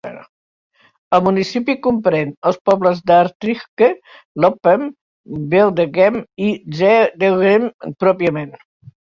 El municipi comprèn els pobles d'Aartrijke, Loppem, Veldegem i Zedelgem pròpiament.